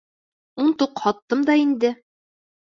Ун тоҡ һаттым да инде.